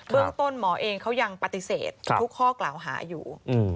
เรื่องต้นหมอเองเขายังปฏิเสธทุกข้อกล่าวหาอยู่